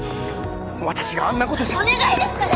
私があんなことさえお願いですから！